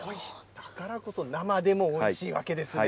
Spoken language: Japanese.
だからこそ、生でもおいしいわけですね。